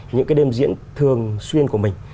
những cái đêm diễn thường xuyên của mình